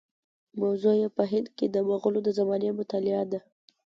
موضوع یې په هند کې د مغولو د زمانې مطالعه ده.